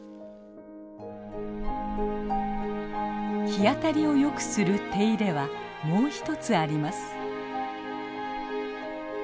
日当たりをよくする手入れはもう一つあります。